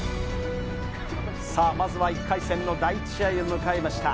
まずは１回戦の第１試合を迎えました。